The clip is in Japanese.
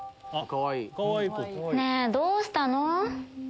ねぇどうしたの？